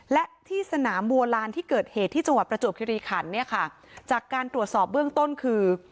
และที่สนามบัวลานที่เกิดเหตุที่จังหวัดประจวบคิริขันเนี่ยค่ะจากการตรวจสอบเบื้องต้นคือ